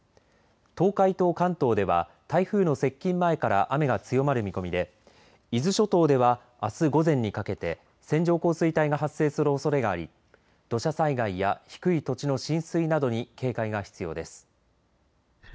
東海と関東では台風の接近前から雨が強まる見込みで伊豆諸島では、あす午前にかけて線状降水帯が発生するおそれがあり土砂災害や低い土地の浸水などに警戒が必要です。